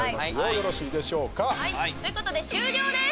よろしいでしょうか？ということで終了です。